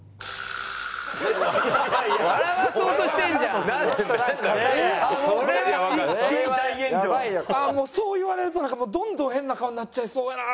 ああもうそう言われるとなんかどんどん変な顔になっちゃいそうやな